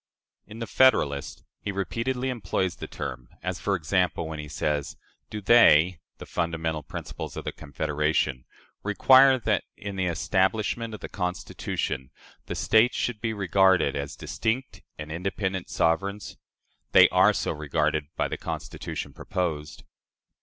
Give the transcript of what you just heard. " In the "Federalist," he repeatedly employs the term as, for example, when he says: "Do they [the fundamental principles of the Confederation] require that, in the establishment of the Constitution, the States should be regarded as distinct and independent SOVEREIGNS? They are so regarded by the Constitution proposed."